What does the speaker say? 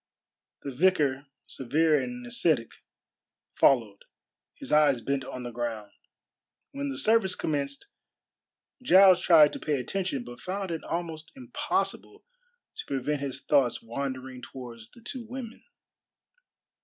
The vicar, severe and ascetic, followed, his eyes bent on the ground. When the service commenced Giles tried to pay attention, but found it almost impossible to prevent his thoughts wandering towards the two women.